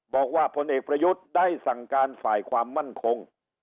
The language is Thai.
บอกว่าพลเอกประยุทธ์ได้สั่งการฝ่ายความมั่นคง